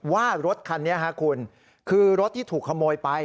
ว่ารถคันนี้คุณคือรถที่ถูกขโมยไป